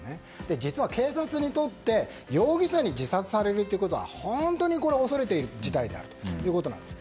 実は、警察にとって容疑者に自殺されるということは本当に恐れている事態であるということです。